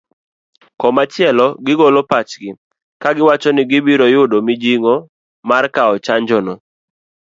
Komachielo gigolo pachgi kagiwacho ni gibiro yudo mijing'o mar kao chanjo no